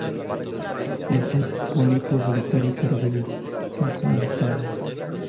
Es un pólipo solitario y carece de zooxantelas.